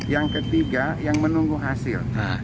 yang ketiga yang menunggu hasil